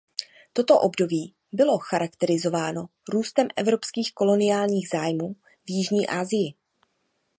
Toto období bylo charakterizováno růstem evropských koloniálních zájmů v Jižní Asie.